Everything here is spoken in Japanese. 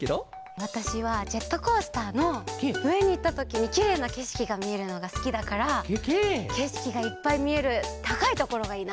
わたしはジェットコースターのうえにいったときにきれいなけしきがみえるのがすきだからけしきがいっぱいみえるたかいところがいいな。